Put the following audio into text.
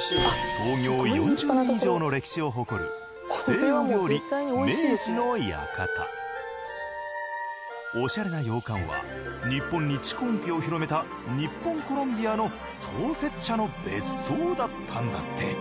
創業４０年以上の歴史を誇るおしゃれな洋館は日本に蓄音機を広めた日本コロムビアの創設者の別荘だったんだって。